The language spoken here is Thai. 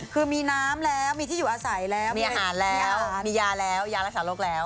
คือมีน้ำแล้วมีที่อยู่อาศัยแล้วมีอาหารแล้วมียาแล้วยารักษาโรคแล้ว